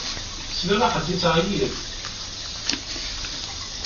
Sliɣ i ḥedd yettɛeyyiḍ.